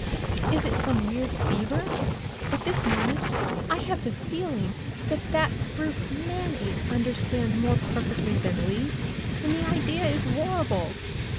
Is it some weird fever? At this moment I have the feeling that that brute Manape understands more perfectly than Lee, and the idea is horrible!